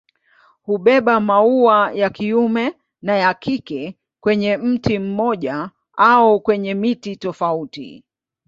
Hubeba maua ya kiume na ya kike kwenye mti mmoja au kwenye miti tofauti.